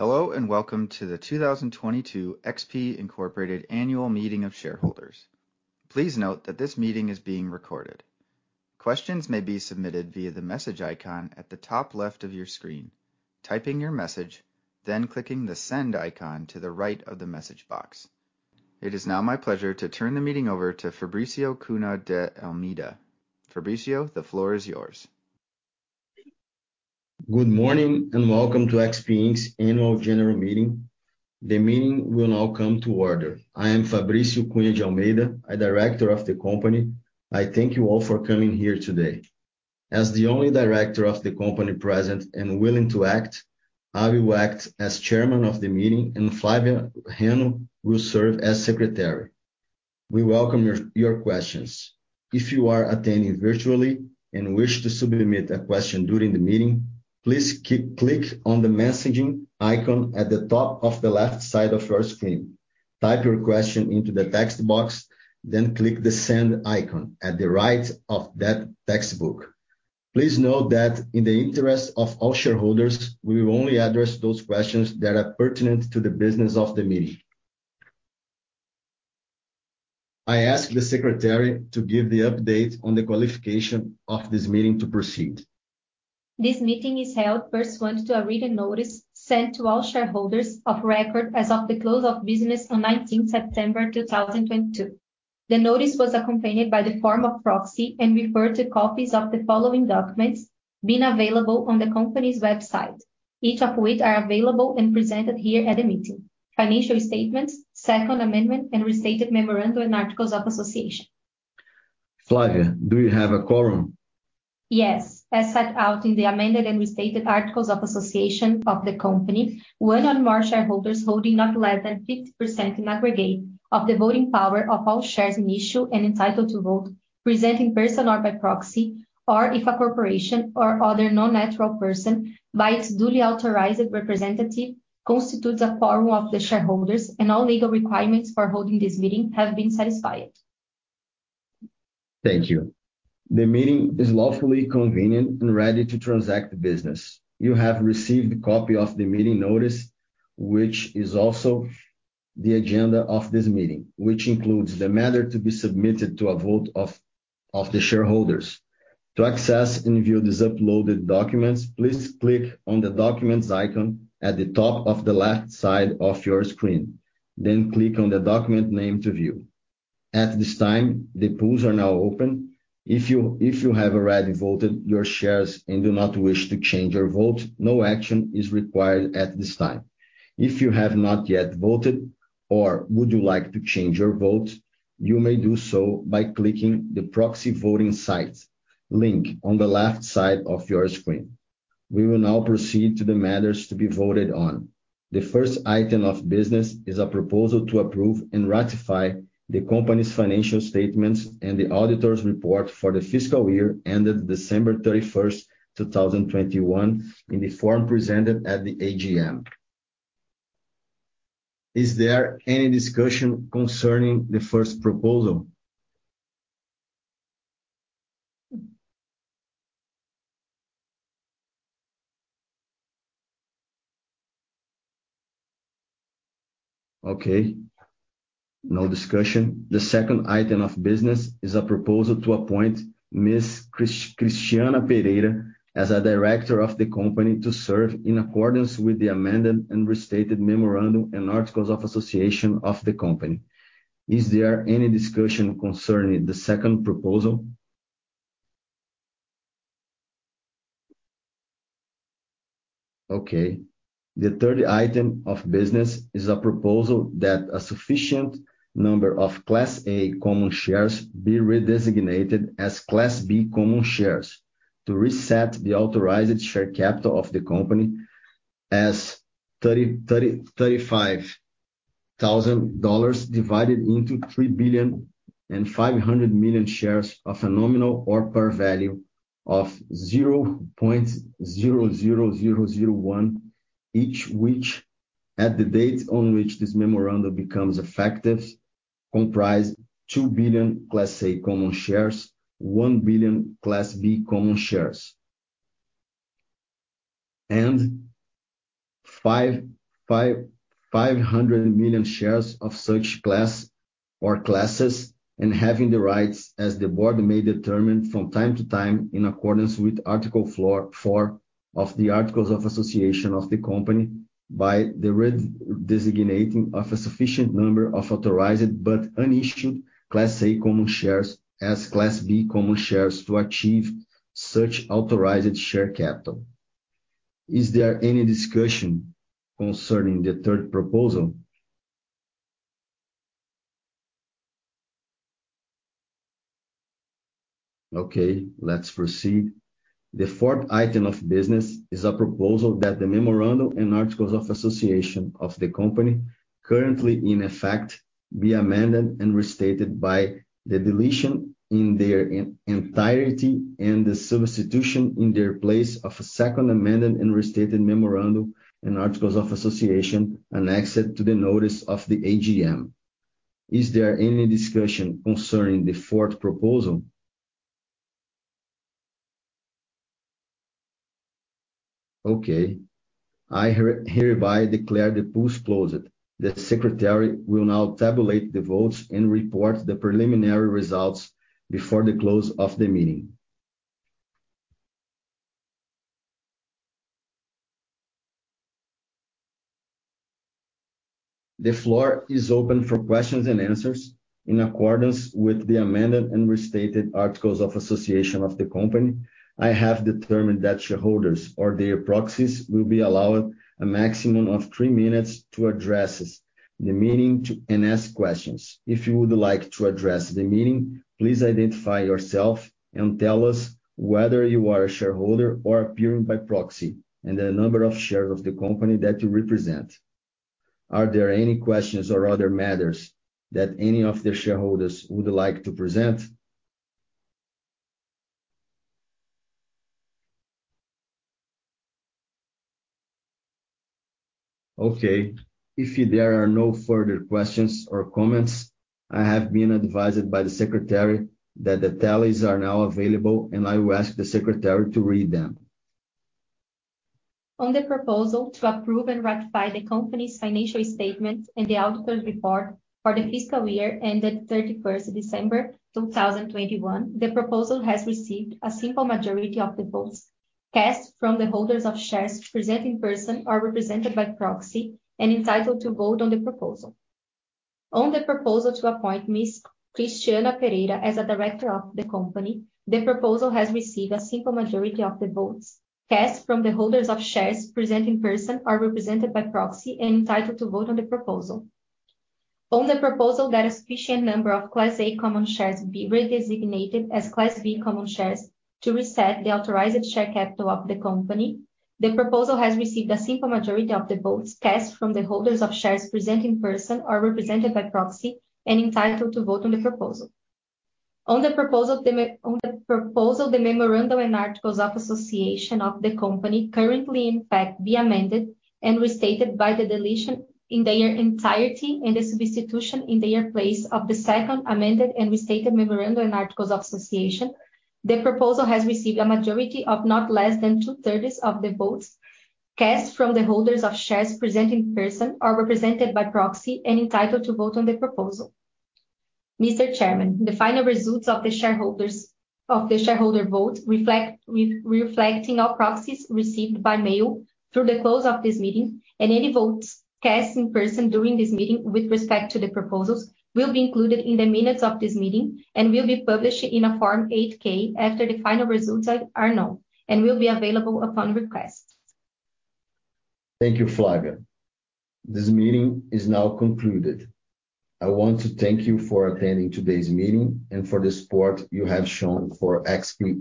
Hello and welcome to the 2022 XP Inc Annual Meeting of Shareholders. Please note that this meeting is being recorded. Questions may be submitted via the message icon at the top left of your screen, typing your message, then clicking the send icon to the right of the message box. It is now my pleasure to turn the meeting over to Fabrício Cunha de Almeida. Fabrício, the floor is yours. Good morning and welcome to XP Inc's Annual General Meeting. The meeting will now come to order. I am Fabrício Cunha de Almeida, a director of the company. I thank you all for coming here today. As the only director of the company present and willing to act, I will act as chairman of the meeting and Flavia Renaux will serve as secretary. We welcome your questions. If you are attending virtually and wish to submit a question during the meeting, please click on the messaging icon at the top of the left side of your screen. Type your question into the text box, then click the send icon at the right of that text box. Please note that in the interest of all shareholders, we will only address those questions that are pertinent to the business of the meeting. I ask the secretary to give the update on the qualification of this meeting to proceed. This meeting is held pursuant to a written notice sent to all shareholders of record as of the close of business on 19 September, 2022. The notice was accompanied by the form of proxy and referred to copies of the following documents being available on the company's website, each of which are available and presented here at the meeting. Financial statements, second amendment, and restated memorandum and articles of association. Flavia, do you have a quorum? Yes. As set out in the amended and restated articles of association of the company, one or more shareholders holding not less than 50% in aggregate of the voting power of all shares in issue and entitled to vote, present in person or by proxy, or if a corporation or other non-natural person by its duly authorized representative, constitutes a quorum of the shareholders and all legal requirements for holding this meeting have been satisfied. Thank you. The meeting is lawfully convened and ready to transact the business. You have received a copy of the meeting notice, which is also the agenda of this meeting, which includes the matter to be submitted to a vote of the shareholders. To access and view these uploaded documents, please click on the documents icon at the top of the left side of your screen, then click on the document name to view. At this time, the polls are now open. If you have already voted your shares and do not wish to change your vote, no action is required at this time. If you have not yet voted or would like to change your vote, you may do so by clicking the proxy voting site link on the left side of your screen. We will now proceed to the matters to be voted on. The first item of business is a proposal to approve and ratify the company's financial statements and the auditor's report for the fiscal year ended December 31st, 2021 in the form presented at the AGM. Is there any discussion concerning the first proposal? Okay, no discussion. The second item of business is a proposal to appoint Ms. Cristiana Pereira as a director of the company to serve in accordance with the amended and restated memorandum and articles of association of the company. Is there any discussion concerning the second proposal? Okay. The third item of business is a proposal that a sufficient number of Class A common shares be redesignated as Class B common shares to reset the authorized share capital of the company as $35,000 divided into 3 billion and 500 million shares of a nominal or par value of 0.00001, each which, at the date on which this memorandum becomes effective, comprise 2 billion Class A common shares, 1 billion Class B common shares, and 500 million shares of such class or classes, and having the rights as the board may determine from time to time in accordance with Article 4 of the articles of association of the company by the re-designating of a sufficient number of authorized but unissued Class A common shares as Class B common shares to achieve such authorized share capital. Is there any discussion concerning the third proposal? Okay, let's proceed. The fourth item of business is a proposal that the memorandum and articles of association of the company currently in effect be amended and restated by the deletion in their entirety and the substitution in their place of a second amended and restated memorandum and articles of association annexed to the notice of the AGM. Is there any discussion concerning the fourth proposal? Okay. I hereby declare the polls closed. The secretary will now tabulate the votes and report the preliminary results before the close of the meeting. The floor is open for questions and answers in accordance with the amended and restated articles of association of the company. I have determined that shareholders or their proxies will be allowed a maximum of 3 minutes to address the meeting and ask questions. If you would like to address the meeting, please identify yourself and tell us whether you are a shareholder or appearing by proxy, and the number of shares of the company that you represent. Are there any questions or other matters that any of the shareholders would like to present? Okay. If there are no further questions or comments, I have been advised by the secretary that the tallies are now available, and I will ask the secretary to read them. On the proposal to approve and ratify the company's financial statement and the auditor's report for the fiscal year ended December 31st, 2021, the proposal has received a simple majority of the votes cast from the holders of shares present in person or represented by proxy and entitled to vote on the proposal. On the proposal to appoint Ms. Cristiana Pereira as a director of the company, the proposal has received a simple majority of the votes cast from the holders of shares present in person or represented by proxy and entitled to vote on the proposal. On the proposal that a sufficient number of Class A common shares be redesignated as Class B common shares to reset the authorized share capital of the company, the proposal has received a simple majority of the votes cast from the holders of shares present in person or represented by proxy and entitled to vote on the proposal. On the proposal the memorandum and articles of association of the company currently in effect be amended and restated by the deletion in their entirety and the substitution in their place of the second amended and restated memorandum and articles of association, the proposal has received a majority of not less than 2/3 of the votes cast from the holders of shares present in person or represented by proxy and entitled to vote on the proposal. Mr. Chairman, the final results of the shareholder vote reflecting all proxies received by mail through the close of this meeting and any votes cast in person during this meeting with respect to the proposals will be included in the minutes of this meeting and will be published in a Form 8-K after the final results are known and will be available upon request. Thank you, Flavia. This meeting is now concluded. I want to thank you for attending today's meeting and for the support you have shown for XP Inc.